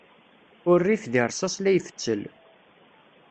Urrif di rṣas la ifettel.